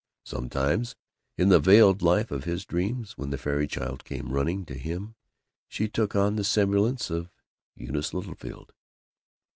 Sometimes, in the veiled life of his dreams, when the fairy child came running to him she took on the semblance of Eunice Littlefield.